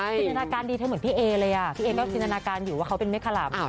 จินตนาการดีเธอเหมือนพี่เอเลยอ่ะพี่เอก็จินตนาการอยู่ว่าเขาเป็นแม่ขลาม